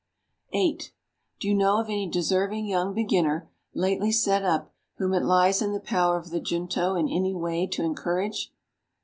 8. Do you know of any deserving young beginner, lately set up, whom it lies in the power of the Junto in any way to encourage?